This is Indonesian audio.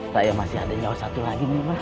saya masih ada nyawa satu lagi nih mas